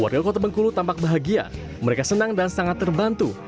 warga kota bengkulu tampak bahagia mereka senang dan sangat terbantu